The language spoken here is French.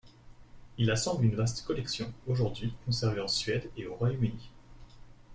Il assemble une vaste collection aujourd’hui conservée en Suède et au Royaume-Uni.